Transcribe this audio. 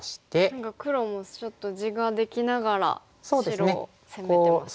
何か黒もちょっと地ができながら白を攻めてますよね。